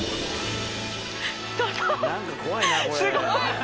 すごい！